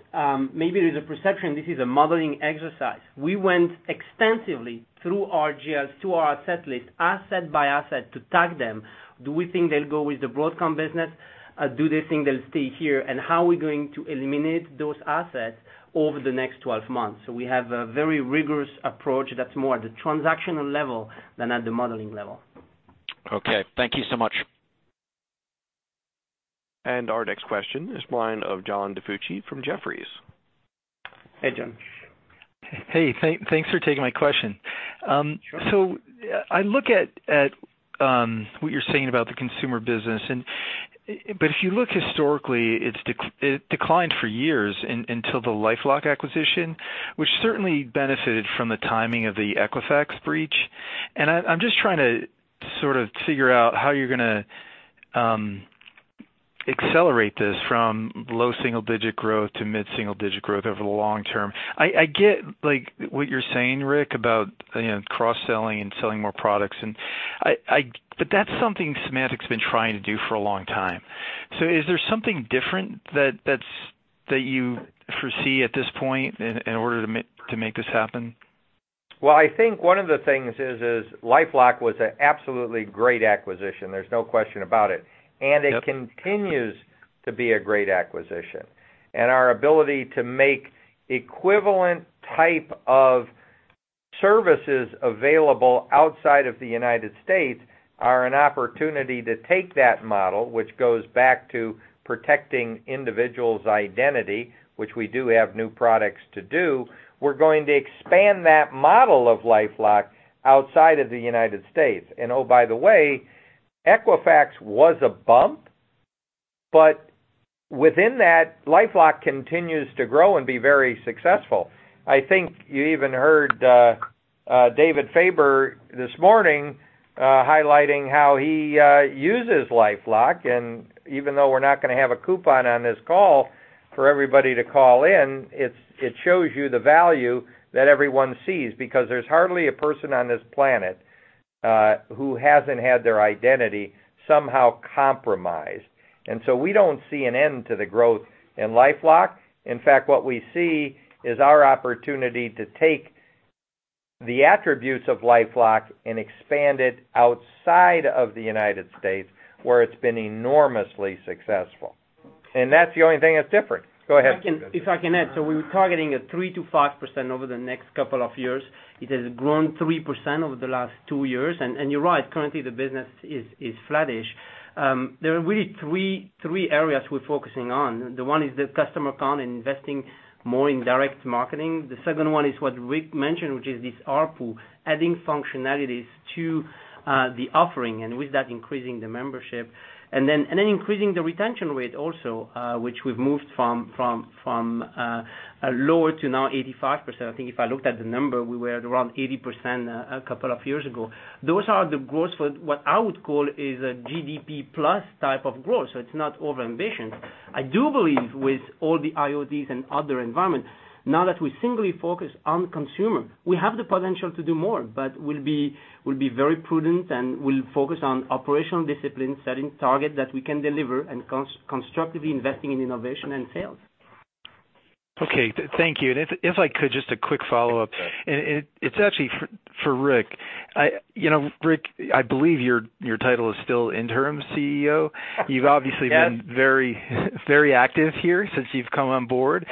maybe there's a perception this is a modeling exercise. We went extensively through our GLs, through our asset list, asset by asset, to tag them. Do we think they'll go with the Broadcom business? Do they think they'll stay here? How are we going to eliminate those assets over the next 12 months? We have a very rigorous approach that's more at the transactional level than at the modeling level. Okay. Thank you so much. Our next question is the line of John DiFucci from Jefferies. Hey, John. Hey, thanks for taking my question. Sure. I look at what you're saying about the consumer business, but if you look historically, it declined for years until the LifeLock acquisition, which certainly benefited from the timing of the Equifax breach. I'm just trying to sort of figure out how you're going to accelerate this from low single-digit growth to mid-single digit growth over the long term. I get what you're saying, Rick, about cross-selling and selling more products, but that's something Symantec's been trying to do for a long time. Is there something different that you foresee at this point in order to make this happen? Well, I think one of the things is LifeLock was a absolutely great acquisition, there's no question about it. Yep. It continues to be a great acquisition. Our ability to make equivalent type of services available outside of the United States are an opportunity to take that model, which goes back to protecting individual's identity, which we do have new products to do. We're going to expand that model of LifeLock outside of the United States. Oh, by the way, Equifax was a bump, but within that, LifeLock continues to grow and be very successful. I think you even heard David Faber this morning highlighting how he uses LifeLock, and even though we're not going to have a coupon on this call for everybody to call in, it shows you the value that everyone sees. Because there's hardly a person on this planet who hasn't had their identity somehow compromised. We don't see an end to the growth in LifeLock. In fact, what we see is our opportunity to take the attributes of LifeLock and expand it outside of the U.S., where it's been enormously successful. That's the only thing that's different. Go ahead, Vincent. If I can add. We're targeting a 3%-5% over the next couple of years. It has grown 3% over the last two years, and you're right, currently the business is flattish. There are really 3 areas we're focusing on. The 1 is the customer count and investing more in direct marketing. The second 1 is what Rick mentioned, which is this ARPU, adding functionalities to the offering, and with that, increasing the membership. Increasing the retention rate also, which we've moved from lower to now 85%. I think if I looked at the number, we were at around 80% a couple of years ago. Those are the growth for what I would call is a GDP plus type of growth, so it's not overambitious. I do believe with all the IoT and other environments, now that we singly focus on consumer, we have the potential to do more, but we'll be very prudent and we'll focus on operational discipline, setting target that we can deliver, and constructively investing in innovation and sales. Okay. Thank you. If I could, just a quick follow-up. Sure. It's actually for Rick. Rick, I believe your title is still Interim CEO. Yes. You've obviously been very active here since you've come on board.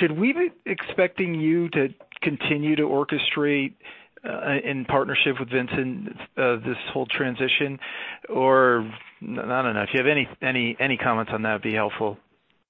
Should we be expecting you to continue to orchestrate, in partnership with Vincent, this whole transition, or I don't know? If you have any comments on that, it'd be helpful.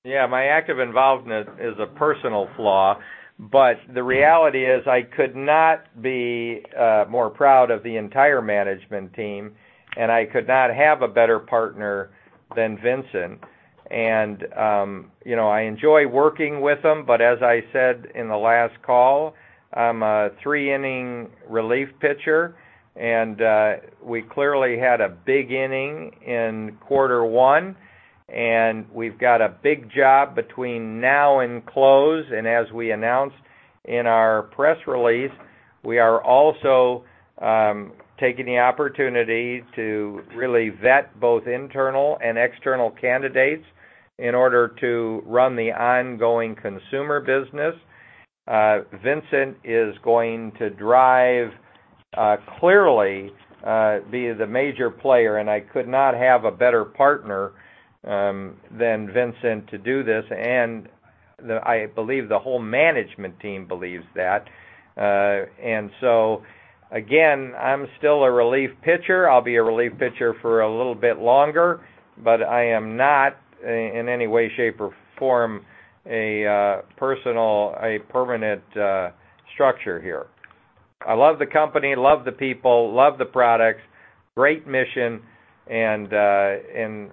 Yeah. My active involvement is a personal flaw, but the reality is I could not be more proud of the entire management team, I could not have a better partner than Vincent. I enjoy working with him, but as I said in the last call, I'm a three-inning relief pitcher, and we clearly had a big inning in quarter one, and we've got a big job between now and close. As we announced in our press release, we are also taking the opportunity to really vet both internal and external candidates in order to run the ongoing consumer business. Vincent is going to drive, clearly, be the major player, and I could not have a better partner than Vincent to do this, and I believe the whole management team believes that. Again, I'm still a relief pitcher. I'll be a relief pitcher for a little bit longer, but I am not in any way, shape, or form a permanent structure here. I love the company, love the people, love the products, great mission, and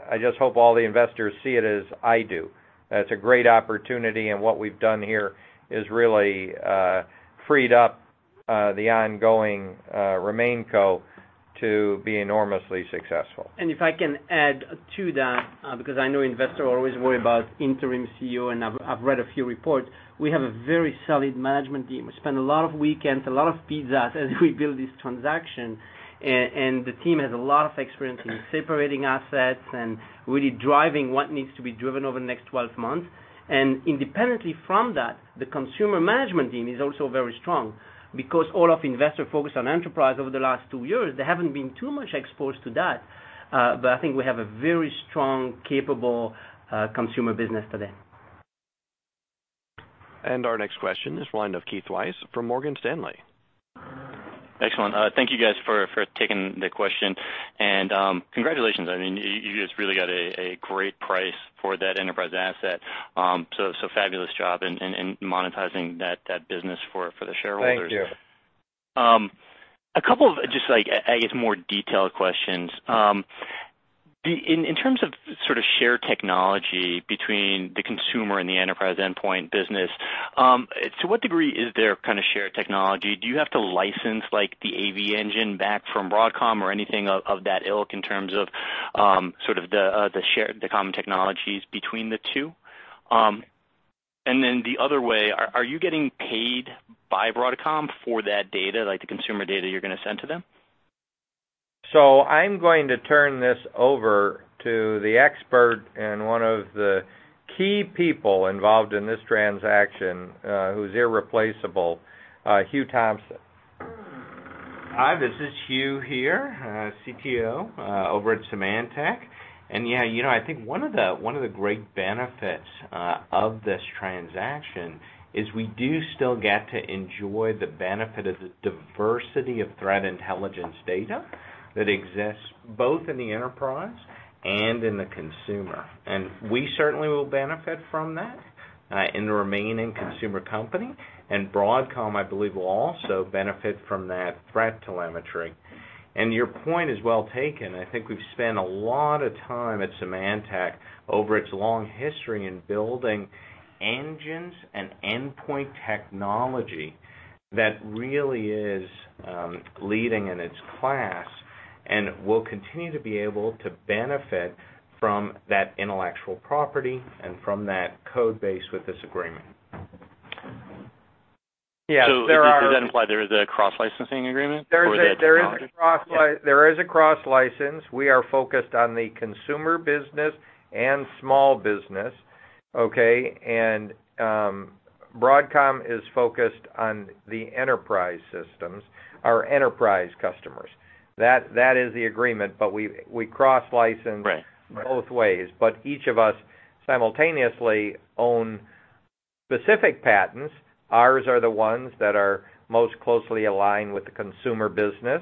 I just hope all the investors see it as I do. It's a great opportunity, and what we've done here is really freed up the ongoing remain co. to be enormously successful. If I can add to that, because I know investors always worry about interim CEO, I've read a few reports. We have a very solid management team. We spent a lot of weekends, a lot of pizzas as we build this transaction, and the team has a lot of experience in separating assets and really driving what needs to be driven over the next 12 months. Independently from that, the consumer management team is also very strong. Because all of investor focus on enterprise over the last two years, they haven't been too much exposed to that. I think we have a very strong, capable consumer business today. Our next question is line of Keith Weiss from Morgan Stanley. Excellent. Thank you guys for taking the question, and congratulations. You guys really got a great price for that enterprise asset. Fabulous job in monetizing that business for the shareholders. Thank you. A couple of just, I guess, more detailed questions. In terms of sort of shared technology between the consumer and the enterprise endpoint business, to what degree is there kind of shared technology? Do you have to license like the AV engine back from Broadcom or anything of that ilk in terms of sort of the common technologies between the two? The other way, are you getting paid by Broadcom for that data, like the consumer data you're going to send to them? I'm going to turn this over to the expert and one of the key people involved in this transaction, who's irreplaceable, Hugh Thompson. Hi, this is Hugh here, CTO over at Symantec. Yeah, I think one of the great benefits of this transaction is we do still get to enjoy the benefit of the diversity of threat intelligence data that exists both in the enterprise and in the consumer. We certainly will benefit from that in the remaining consumer company. Broadcom, I believe, will also benefit from that threat telemetry. Your point is well taken. I think we've spent a lot of time at Symantec over its long history in building engines and endpoint technology that really is leading in its class, and will continue to be able to benefit from that intellectual property and from that code base with this agreement. Yes, there are. Does that imply there is a cross-licensing agreement for that technology? There is a cross license. We are focused on the consumer business and small business, okay? Broadcom is focused on the enterprise systems, our enterprise customers. That is the agreement, but we cross license. Right both ways, but each of us simultaneously own specific patents. Ours are the ones that are most closely aligned with the consumer business,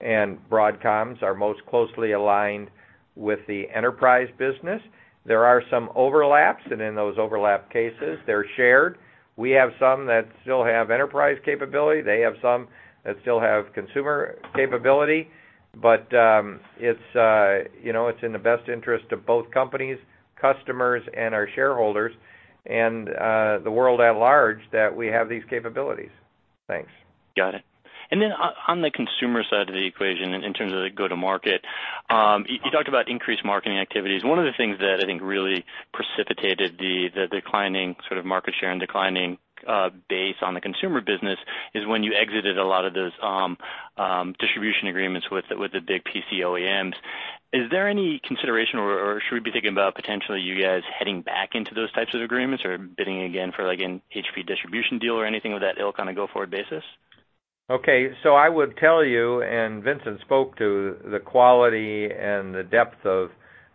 and Broadcom's are most closely aligned with the enterprise business. There are some overlaps, and in those overlap cases, they're shared. We have some that still have enterprise capability. They have some that still have consumer capability. It's in the best interest of both companies, customers, and our shareholders, and the world at large that we have these capabilities. Thanks. Got it. On the consumer side of the equation, in terms of the go to market, you talked about increased marketing activities. One of the things that I think really precipitated the declining sort of market share and declining base on the consumer business is when you exited a lot of those distribution agreements with the big PC OEMs. Is there any consideration, or should we be thinking about potentially you guys heading back into those types of agreements or bidding again for like an HP distribution deal or anything of that ilk on a go-forward basis? Okay. I would tell you, and Vincent spoke to the quality and the depth of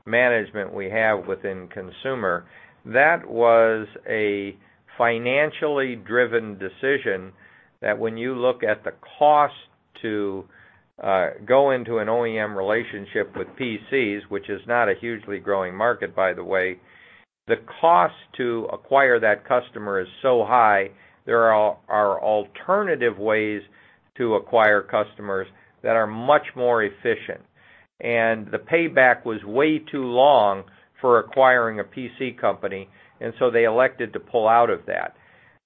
management we have within consumer, that was a financially driven decision that when you look at the cost to go into an OEM relationship with PCs, which is not a hugely growing market, by the way, the cost to acquire that customer is so high, there are alternative ways to acquire customers that are much more efficient. The payback was way too long for acquiring a PC company, and so they elected to pull out of that.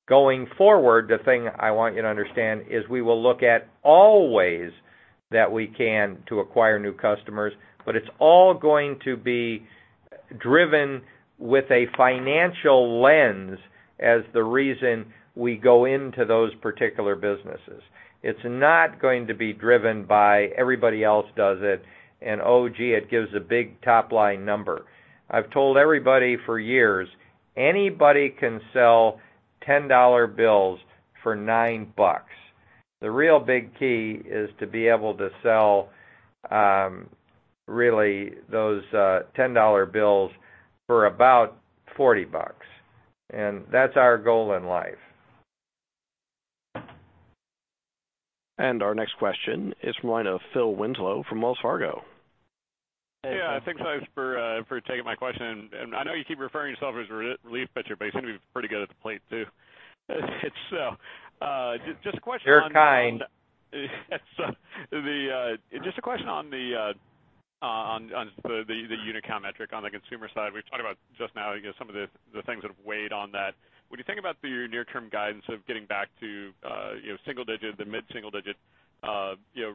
Going forward, the thing I want you to understand is we will look at all ways that we can to acquire new customers, but it's all going to be driven with a financial lens as the reason we go into those particular businesses. It's not going to be driven by everybody else does it, and, oh, gee, it gives a big top-line number. I've told everybody for years, anybody can sell $10 bills for $9. The real big key is to be able to sell, really those $10 bills for about $40. That's our goal in life. Our next question is from the line of Phil Winslow from Wells Fargo. Yeah. Thanks, guys, for taking my question, and I know you keep referring to yourself as a relief pitcher, but you seem to be pretty good at the plate, too. Just a question on- You're kind. Just a question on the unit count metric on the consumer side. We've talked about just now, some of the things that have weighed on that. When you think about your near-term guidance of getting back to single digit to mid-single digit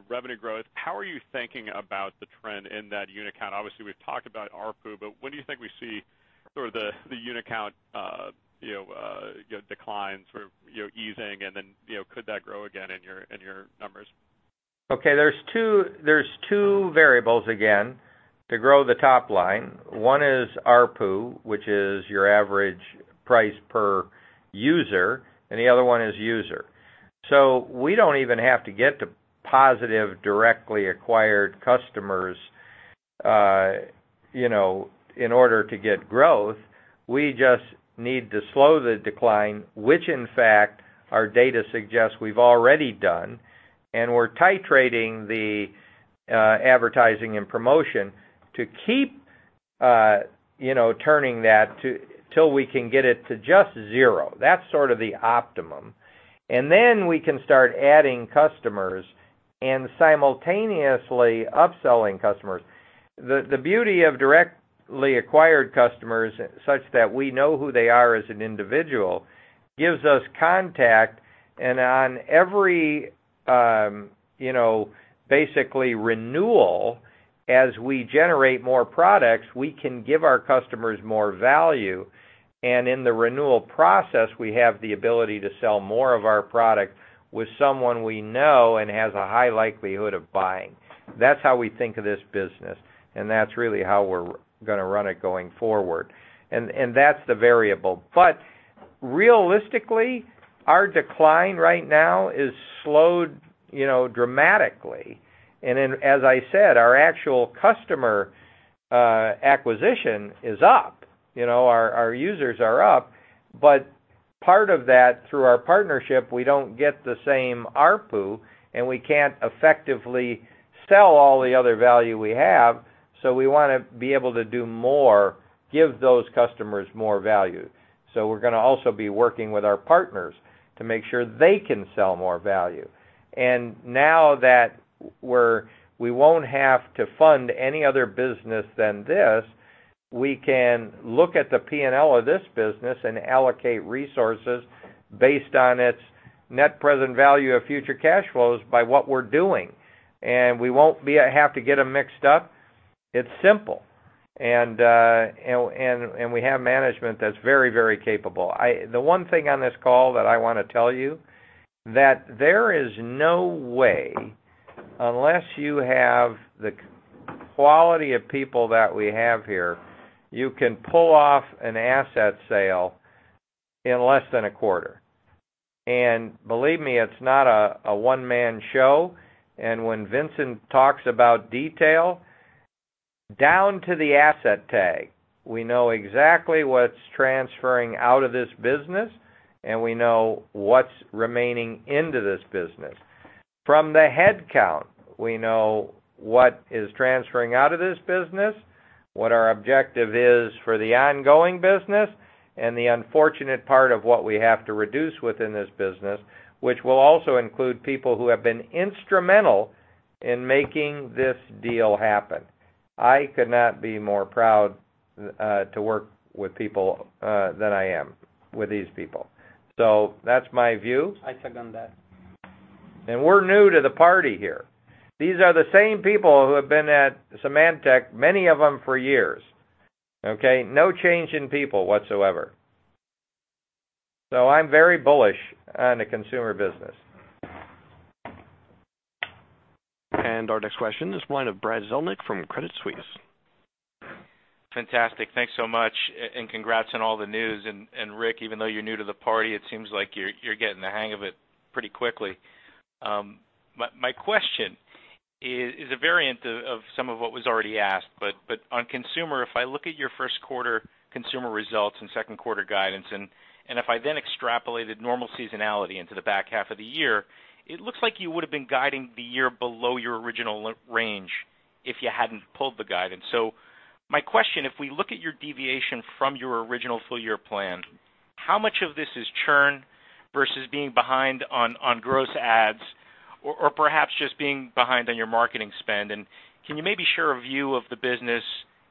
revenue growth, how are you thinking about the trend in that unit count? Obviously, we've talked about ARPU, but when do you think we see sort of the unit count decline sort of easing and then could that grow again in your numbers? Okay. There's two variables again to grow the top line. One is ARPU, which is your average price per user, and the other one is user. We don't even have to get to positive directly acquired customers, in order to get growth. We just need to slow the decline, which in fact, our data suggests we've already done, and we're titrating the advertising and promotion to keep turning that till we can get it to just zero. That's sort of the optimum. Then we can start adding customers and simultaneously upselling customers. The beauty of directly acquired customers, such that we know who they are as an individual, gives us contact and on every, basically, renewal, as we generate more products, we can give our customers more value. In the renewal process, we have the ability to sell more of our product with someone we know and has a high likelihood of buying. That's how we think of this business, and that's really how we're going to run it going forward. That's the variable. Realistically, our decline right now has slowed dramatically. As I said, our actual customer acquisition is up. Our users are up. Part of that, through our partnership, we don't get the same ARPU, and we can't effectively sell all the other value we have, so we want to be able to do more, give those customers more value. We're going to also be working with our partners to make sure they can sell more value. Now that we won't have to fund any other business than this, we can look at the P&L of this business and allocate resources based on its net present value of future cash flows by what we're doing. We won't have to get them mixed up. It's simple. We have management that's very capable. The one thing on this call that I want to tell you, that there is no way, unless you have the quality of people that we have here, you can pull off an asset sale in less than a quarter. Believe me, it's not a one-man show. When Vincent talks about detail, down to the asset tag, we know exactly what's transferring out of this business, and we know what's remaining into this business. From the head count, we know what is transferring out of this business, what our objective is for the ongoing business, and the unfortunate part of what we have to reduce within this business, which will also include people who have been instrumental in making this deal happen. I could not be more proud to work with people than I am with these people. That's my view. I second that. We're new to the party here. These are the same people who have been at Symantec, many of them for years. Okay. No change in people whatsoever. I'm very bullish on the consumer business. Our next question, this is the line of Brad Zelnick from Credit Suisse. Fantastic. Thanks so much, congrats on all the news. Rick, even though you're new to the party, it seems like you're getting the hang of it pretty quickly. My question is a variant of some of what was already asked, on consumer, if I look at your first quarter consumer results and second quarter guidance, if I then extrapolated normal seasonality into the back half of the year, it looks like you would've been guiding the year below your original range if you hadn't pulled the guidance. My question, if we look at your deviation from your original full-year plan, how much of this is churn versus being behind on gross ads or perhaps just being behind on your marketing spend? Can you maybe share a view of the business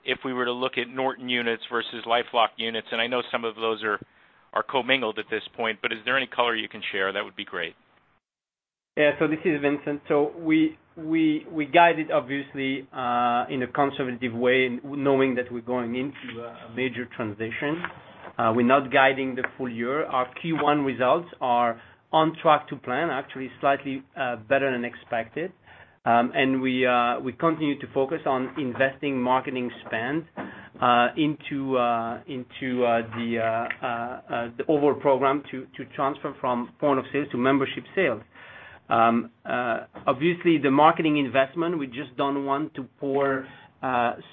if we were to look at Norton units versus LifeLock units? I know some of those are co-mingled at this point, but is there any color you can share? That would be great. This is Vincent. We guided, obviously, in a conservative way, knowing that we're going into a major transition. We're not guiding the full year. Our Q1 results are on track to plan, actually slightly better than expected. We continue to focus on investing marketing spend into the overall program to transfer from point of sale to membership sales. Obviously, the marketing investment, we just don't want to pour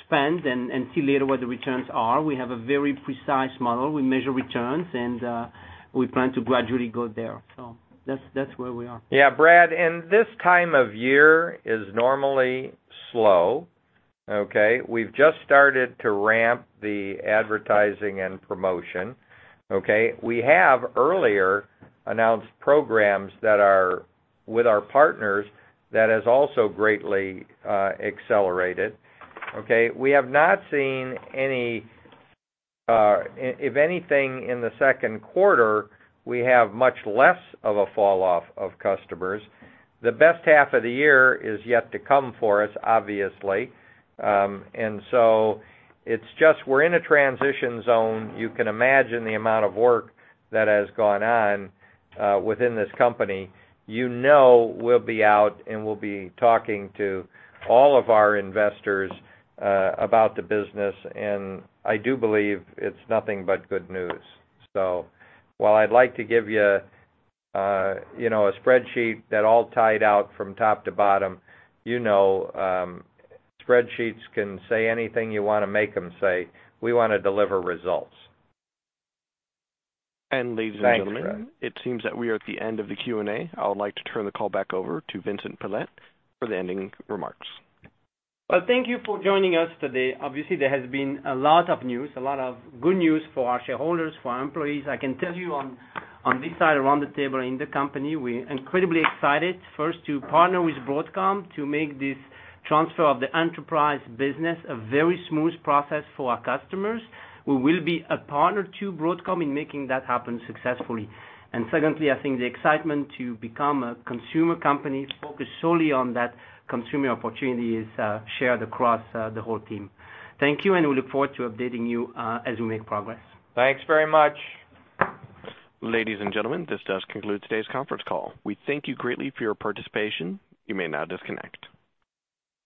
spend and see later what the returns are. We have a very precise model. We measure returns, and we plan to gradually go there. That's where we are. Yeah, Brad, this time of year is normally slow. Okay? We've just started to ramp the advertising and promotion. Okay? We have earlier announced programs that are with our partners that has also greatly accelerated. Okay? We have not seen If anything, in the second quarter, we have much less of a fall off of customers. The best half of the year is yet to come for us, obviously. It's just we're in a transition zone. You can imagine the amount of work that has gone on within this company. You know we'll be out and we'll be talking to all of our investors about the business, and I do believe it's nothing but good news. While I'd like to give you a spreadsheet that all tied out from top to bottom, you know spreadsheets can say anything you want to make them say. We want to deliver results. Ladies and gentlemen. Thank you, Brad. it seems that we are at the end of the Q&A. I would like to turn the call back over to Vincent Pilette for the ending remarks. Well, thank you for joining us today. Obviously, there has been a lot of news, a lot of good news for our shareholders, for our employees. I can tell you on this side around the table in the company, we're incredibly excited, first to partner with Broadcom to make this transfer of the enterprise business a very smooth process for our customers, who will be a partner to Broadcom in making that happen successfully. Secondly, I think the excitement to become a consumer company focused solely on that consumer opportunity is shared across the whole team. Thank you, and we look forward to updating you as we make progress. Thanks very much. Ladies and gentlemen, this does conclude today's conference call. We thank you greatly for your participation. You may now disconnect.